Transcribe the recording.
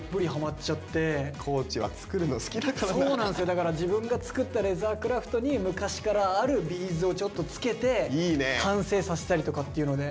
だから自分が作ったレザークラフトに昔からあるビーズをちょっとつけて完成させたりとかっていうので。